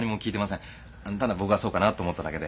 ただ僕がそうかなと思っただけで。